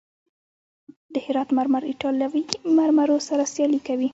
د هرات مرمر ایټالوي مرمرو سره سیالي کوي.